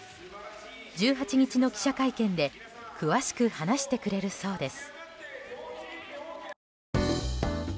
１８日の記者会見で詳しく話してくれるそうです。